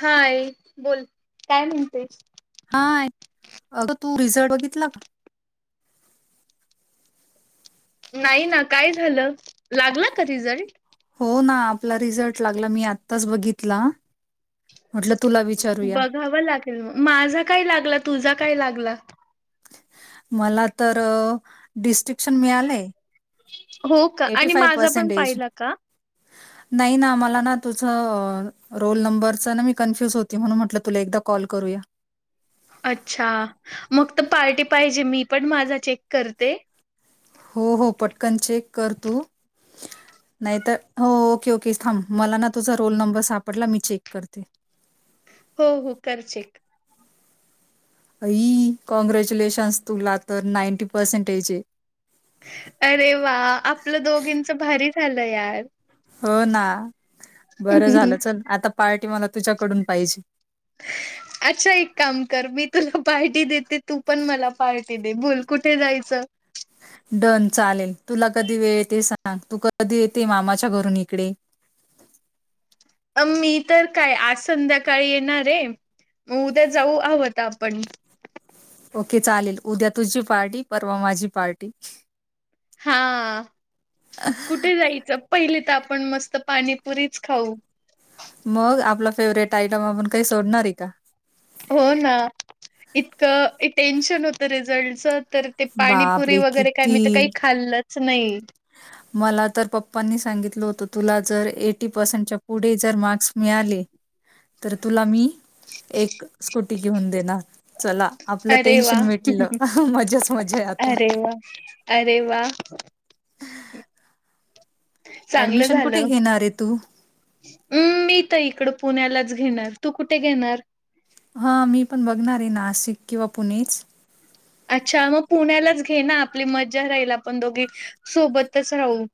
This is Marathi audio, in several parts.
हा आहे बोल काय म्हणतेस, तू रिझल्ट बघितला का. नाही ना काय झालं लागला का रिझल्ट? हो ना आपला रिझल्ट लागला मी आत्ताच बघितला. म्हटलं तुला विचारूया. बघाव लागेल मग माझा काय लागला तुझा काय लागला? मला तर डिस्ट्रिक ामिळाला आहे हो का आणि माझा पण [unintelligible] पाहिला का? [unintelligible] नाही ना मला ना तुझ रोल नंबरचा ना मी कन्फ्युज होती म्हणून म्हटलं तुला एकदा कॉल करूया. अच्छा मग तर पार्टी पाहिजे मी पण माझा चेक करते. हो हो पटकन चेक कर तू. नाहीत हो ओके ओके थांब मला ना तुझा रोल नंबर सापडला मी चेक करते. हो हो कर चेक. अई कॉँग्रॅच्युलेशन्स तुला तर नाईंटी पर्सेंटेज आहे. अरे वा आपलं दोघींच भारी झालं यार. हो ना बरं झालं चल आता पार्टी मला तुझ्याकडून पाहिजे. अच्छा एक काम कर मी तुला पार्टी देते तू पण मला पार्टी ति बोल कुठे जायचं. डन चालेल तुला कधी वेळ येते सांग तू कधी येते मामाच्या घरून इकडे अम मी तर काय आज संध्याकाळी येणार आहे. मग उद्या जाऊ हवं तर आपण ओके चालेल उद्या तुझी पार्टी, परवा माझी पार्टी, हा कुठे जायचं पहिले तर, आपण मस्त पाणीपुरीच खाऊ. मग आपला फेवरेट आयटम आपण काही सोडणार आहे का हो ना इतकं टेन्शन होत रिझल्टच तर ते पाणीपुरी बापरे वगैरे काय मी तर काही किती खाल्लंच नाही मला तर पप्पांनी सांगितलं होत तुला जर एटी पर्सेंटच्या पुढे जर मार्क्स मिळाले तर तुला मी एक स्कुटी घेऊन देणार चला आपलं अरे वा टेन्शन मिटलं मजाच मजा आहे आता अरे वा अरे वा [unintelligible] चांगलं ऍडमिशन कुठे झालंम् घेणार आहे तू? मी इकड पुण्यालाच घेणार तू कुठे घेणार हा मी पण बघणार आहे नाशिक किंवा पुणेच अच्छा मग पुण्यालाच घे ना आपली मज्जा राहील आपण दोघी सोबतच राहू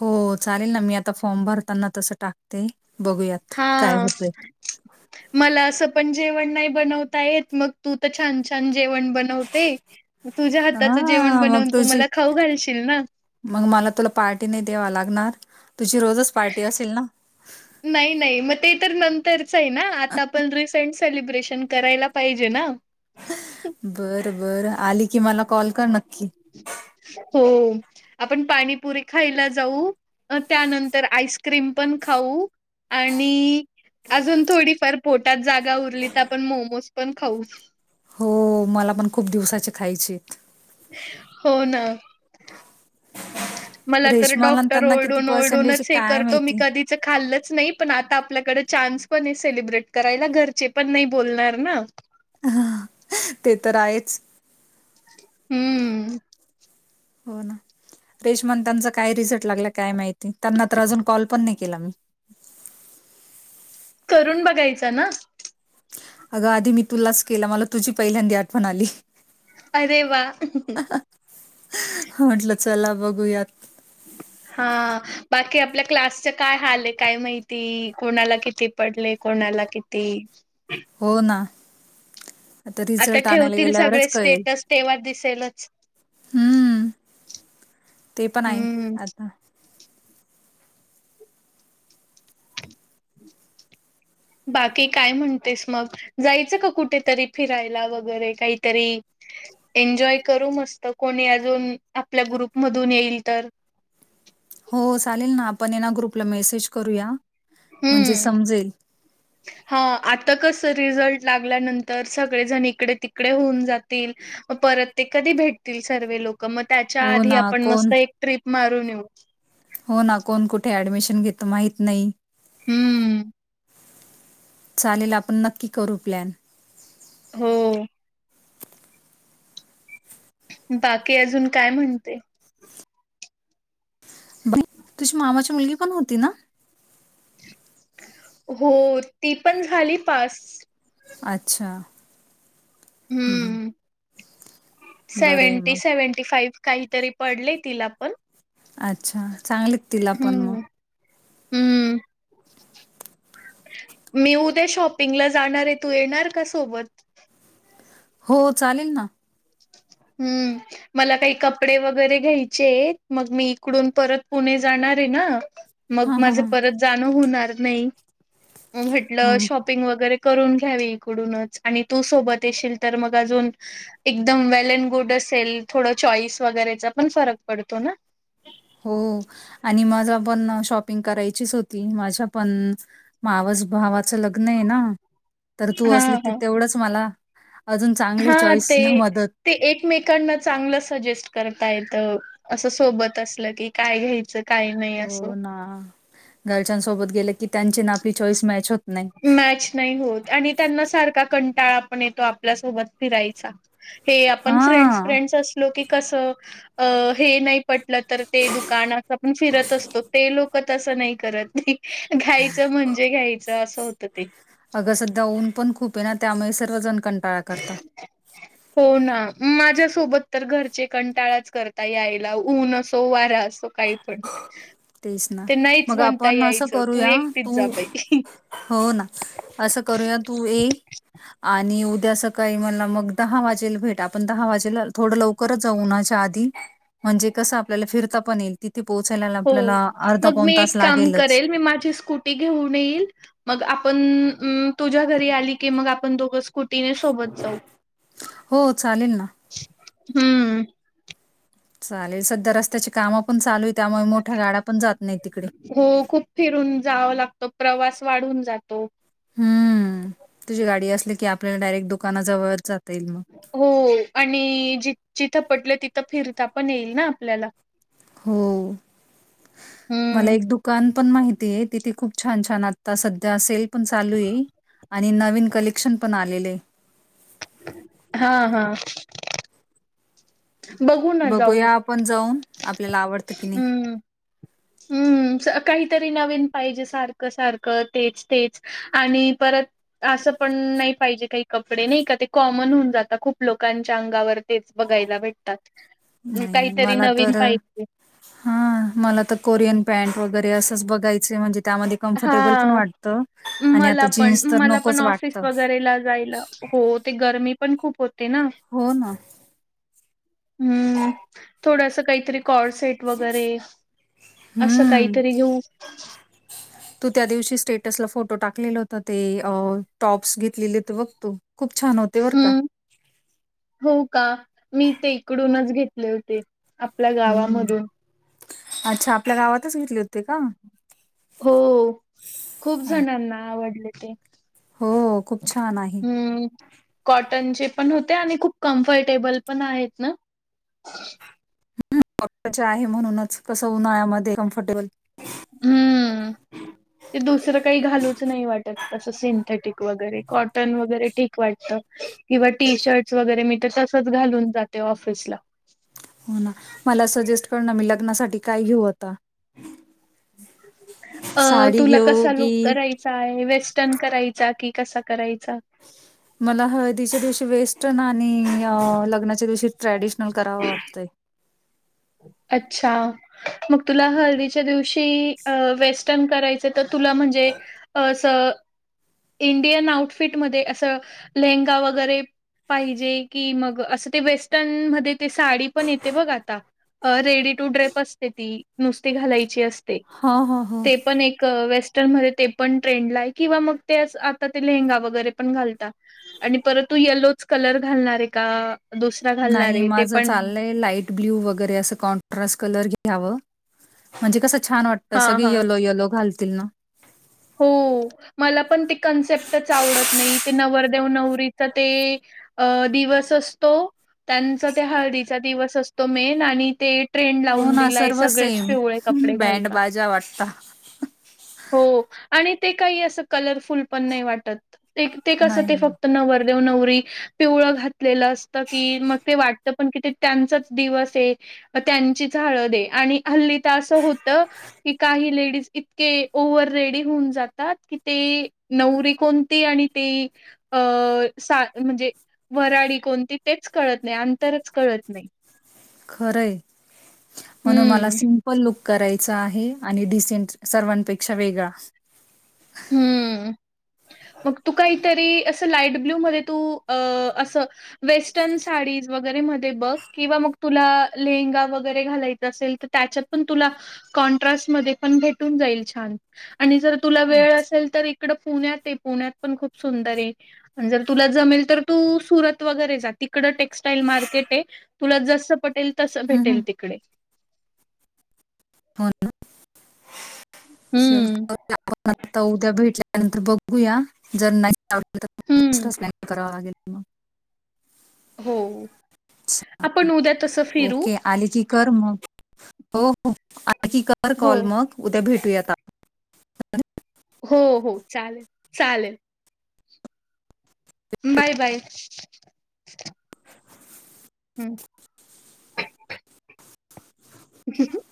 हो चालेल ना मी आता फॉर्म भरताना तसं टाकते बघूयात हा काय होतंय. मला अस पण जेवण नाही बनवता येत मग तू तर छान छान जेवण बनवते तुझ्या हा हाताचं जेवण मग बनवून तू तुझी मला खाऊ घालशील ना. मग मला तुला पार्टी नाही दवा लाग तुझी रोजच पार्टी असेल ना नाही नाही मग ते नंतरच आहे ना आता आपण रिसेंट सेलिब्रेशन करायला पाहिजे ना बर बरं आली की मला कॉल कर नक्की हो आपण पाणीपुरी खायला जाऊ अ त्यानंतर आईस्क्रीम पण खाऊ आणि अजून थोडीफार पोटात जागा उरली तर आपण मोमोज पण खाऊ हो ऽऽमला पण खूप दिवसाचे खायचेऽऽ [unintelligible] मला तर रेश्माला अन् डॉक्टर त्यांना किती ओरडून पर्सेंटेज आहे ओडूनच हे काय करतो मी माहिती? कधीच खाल्ऽऽ नाही पण आता आपल्याकडे चान्स पण ऐ सेलिब्रेट करायला घरचे पण नाही बोलणार ना. ह,, ते तर आहेच. हम्म, हो, ना रेशमा न त्यांचा काय रिझल्ट लागला काय माहिती,, त्यांना तर अजून कॉल पण नाही केला मी,, [unintelligible] करून बघायचा ना. अग आधी मी तुलाच केला,, मला तुझी पहिल्यांदी आठवण आली. अरे! वा! म्हटलं चला बघूयात. हा ऽऽबाकी आपल्या क्लासच काय हाल य काय माहिती,, कोणाला किती पडले कोणाऽऽ णाला किती, हो ना. आता रिझल्ट आणायला ठेवतील सगळे गेल्यावरच कळेल,,, स्टेटस तेव्हा दिसेलच हम्म. ते पण आहे,, हम्म आता [unintelligible] बाकी काय म्हणतेस मग,, जायचं का कुठेतरी फिरायला वगैरे काहीतरीऽऽ एन्जॉय करू मस्त कोणी अजून ऽऽआपल्या ग्रुपमधून येईल तर, हो चालेल ना आपण येना ग्रुपला मेसेज करूया, म्हणजे हम्म. समजेल. हा आता कसं रिझल्ट लागल्यानंतर सगळे जण इकडे, तिकडे होऊन जातील म परततेऽऽ भेटतील सर्वे लोकं म त्याच्या हो आधी ना, आपण कोण मस्त एक ट्र्रीप मारून येऊ. हो ना कोण कुठे ऍडमिशन घेतं माहत नाही. हम्म, चालेल आपण नक्की करू प्लॅन. हो. बाकी, अजून काय म्हणते? बाई, तुझी मामाची मुलगी पण होती नाऽऽ? हो, ती पण झाली पास. अच्छा, हम्म, हम्म सेव्हनटी, सेव्हंटी फाईव काहीतरी पडले तिला अच्छा, चांगलेत तिला पण मग हम्म हम्म मी उद्या शॉपिंगला जाणार ऐ, तू येणार का सोबत. हो चालेल ना. हम्म, मला काही कपडे वगैरे घ्यायचेय मग मी इकडून परत पुणे जाणार ऐ ना, मग हां, हां, माझ हां. परत जाणं होणार नाही. म म्हटलं हं. शॉपिंग वगैरे करून घ्यावी इकडूनच, आणि तू सोबत येशील तर मग अजून एकदम वेल अँड गुड असेल,, थोडं चॉईस वगैरेचा पण फरक पडतो ना. हो,, आणि माझा पण शॉपिंग करायचीच होती. माझ्या पण माव भावाचं लग्न ना,, तर तू असली तर तेवढंच मला अजून चांगल्या हां, ते, चॉईसला मदत ते, एकमेकांना चांगलं सजेस्ट करतायत. तर, असं सोबत असलं की काय घ्यायचं? काय नाही असं हो ना, घरच्याांसोबत गेलं की त्याची न आपली चॉईस मॅच होते. मॅच नाही होत,, आणि त्यांना सारका कंऽऽ ळा पण येतो आपल्यासोबत फिरायचा, हे आपण फ्रेंडस, हा. फ्रेंडस, असलो की? कस, हे नाही पटलं तर, ते दुकान असं आपण फिरत असतो. ते लोक त नाही करत, नाही घ्यायचं म्हणजे घ्यायचं असं होतं ते. अग सध्या ऊन पण खूप आहे ना, त्यामुळे सर्व जण हो ना. माझ्यासोबत तर घरचे कंटाळाच करता, यायला ऊन असो, वारा असो, काही पण तेच ना, ते नाहीच मग म्हणता आपण असं यायचं तू करूया एकटीच जा तू बाई. हो ना, असं करूया तू ये आणि उद्या सकाळी मला मग दहा वाजेला भेट, आपण दहा वाजेला थोडं लवकरच जाऊ उन्हाच्या आधी म्हणजे कस, आपल्याला फिरता पण येईल, तिथे पोयला ला हो, मग मी एक काम करेल, मी माझी स्कूटी घेऊन येईल, मग आपण म तुझ्या घरी आली की, मग आपण दोघस स्कुटीने सोबत जाऊ, हो चालेल ना हम्म चालेल, सध्या रस्त्याची काम पण चालू त्यामुळे मोठ्या गाड्या पण जात नाही तिकडे हो खूप फिरून जावं लागत. प्रवास वाढून जातो. हम्म तुझी गाडी असली की, आपल्याला डायरेक्ट दुकाना जवळ जात हो, आणि जि जिथं पटलं तिथं, फिरता पण येईल ना आपल्याला. हो मला हम्म. एक दुकान? पण माहितीय, तिथे खूप छान छान आता सध्या सेल पण चालू आहे. आणि नवीन कलेक्शन पण आलेले आहे. हा, हा, बघू ना, जाऊ बघूया आपण जाऊन आपल्याला आवडतं की नाही हम्म हम् काहीतरी नवीन पाहिजे, सारखं, सारखं, तेच, तेच, आणि परत असं पण नाही पाहिजे, काही कपडे नाही का? ते कॉमन होऊन जात खूप लोकांच्या अंगावर तेच बघायला भेटतात. काहीतरी नवीन पाहिजे. हा मला तर कोरियन पॅनट, वगैरे, असंच बघायचं म्हणजे? त्यामध्ये कम्फर्टेबल पण हा वाटत. आणि आता मला पण जीन्स तर मला पण नकोच ऑफिस वाटत. वगैरेला जायला हो ते गरमी पण खूप हो हो ना हम्म थोडस काहीतरी कॉड सेट वगैरे असं हं. काहीतरी घेऊ तू त्या दिवशी स्टेटसला फोटो टाकलेलं होता ते टॉप्स घेतलेले तर बघतो हम् हो का मी ते इकडूनच घेतले होते आपल्या हं. गावामधून अच्छा आपल्या गावातच घेतले होते का हो खूप अ- जणांना आवडले ते हो खूप छान आहे चे पण होते आणि खूप कम्फर्टेबल पण आहेत ना ह आहे म्हणूनच कस उन्हाळ्यामध्ये कम्फर्टेबल हम्म ह ते दुसरं काही घालूच नाही वाटत तसं सिंथेटिक वगैरे कॉटन वगैरे ठीक वाटतं किंवा टी शर्टस वगैरे मी तर तसच घालून जाते ऑफिसला हो ना मला सजेस्ट कर ना मी लग्नासाठी काय घेऊ आता साडी तुला घेऊ कसा लुक की करायचा आहे वेस्ट न करायचा की कसा करायचा मला हळदीच्या दिवशी वेस्ट नाही आणि लग्नाच्या दिवशी ट्रॅडिशनल करावं वाटतंय अच्छा मग तुला हळदीच्या दिवशी वेस्टर्न करायच तर तुला म्हणजे असं इंडियन आउटफिटमध्ये असं लेहंगा वगैरे पाहिजे की मग असं ते वेस्टर्न मध्ये ते साडी पण येते बघा आता. अ रेडी टू ड्रेप असते ती नुसती घालायची अस ते, हां, हां, हां. ते पण एक वेस्टर्न मध्ये ते पण ट्रेंडला आहे किंवा मग, तेच आता ते लेहंगा वगैरे पण घालतात आणि परत तू येलोच कलर घालणार आहे का? दुसरा घालणार नाही आहे ते माझं पण चाललंय लाईट ब्ल्यू वगैरे अस कॉनट्रास्ट कलर घ घ्याव म्हणजे कस छान वाटत हा सगळे हा यलो यलो घालतील ना. हो मला पण ते कन्सेप्टच आवडत नाही ते नवरदेव नवरीचं ते. अ दिवस असतो त्यांचा त्या हळदीचा दिवस असतो मेन आणि ते ट्रेंड हो लावून ना, दिलाय सर्व सगळेच सेम पिवळे कपडे बँड घालता. बाजा वाटता. हो. आणि ते काही असं कलरफुल पण नाही वाटत ते ते कसं नाही ते ना, फक्त नवर देव नवरी पिवळ घातलेलं असत की मग ते वाट त पण कि त्यांचाच दिवस आहे त्यांचीच हळद आहे आणि, हल्ली तर असं होत की काही लेडीज इतके ओवर्हर रेडी हुन जात की ते नव्हरी कोणती आणि ते अ सा म्हणजे ते वराडी कोणती तेच कळत नाही अंतरच कळत नाही. खरंय म्हणून मला हम्म सिमपल लुक करायचा आहे आणि डिसेंट सर्वांपेक्षा वेगळा. हम्म. मग तू काहीतरी अस लाईट ब्ल्यू मध्ये तू अस वेस्टर्न साडी वगैरे मध्ये बग किंवा मग तुला लेहंगा वगैरे घालायच असेल तर त्याच्यात पण तुला कॉन्ट्रास्ट मध्ये पण भेटून जाईल छान आणि जर तुला वेळ अच्छा. असेल तर इकड पुण्यात ये. पुण्यात पण खूप सुंदर आहे अन जर तुला जमेल तर तू सुरत वगैरे जा तिकड ड टेक्स्टाईल मार्केट आहे तुला जसं पटेल तस भेटेल तिकडे. होन. चल हम्म. आपण आता उद्या भेटल्यानंतर बघूया जर नाहीच आवडलं तर हम्म. दुसराच प्लॅन करावा लागेल मग. हो. आपण उद्या तसं फिरू. ओके आली की कर मग हो हो आणखी कर हो कॉल मग उद्या भेटूया आ. हो हो चालेल चालेल. Bye bye. हम्म. कक [inaudible]